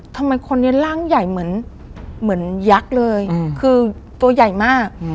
ทำไมคนนี้ร่างใหญ่เหมือนยักษ์เลยคือตัวใหญ่มาก